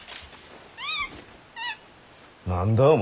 何だお前